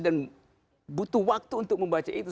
dan butuh waktu untuk membaca itu